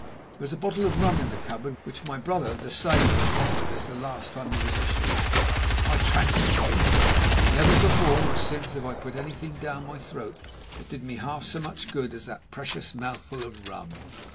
There was a bottle of rum in the cupboard, which my brother the sailor had left with us the last time he was ashore. I drank a drop of it. Never before or since have I put anything down my throat that did me half so much good as that precious mouthful of rum!